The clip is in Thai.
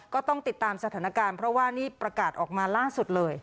ก็ต้องติดตามสถานการณ์เพราะว่านี่ประกาศออกมาล่าสุดเลย